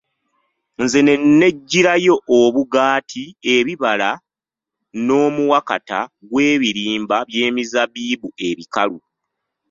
Nze ne neggirayo obugaati, ebibala n'omuwakata gw'ebirimba by'emizabibu ebikalu.